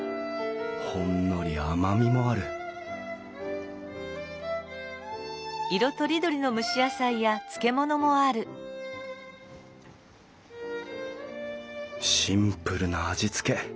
ほんのり甘みもあるシンプルな味つけ。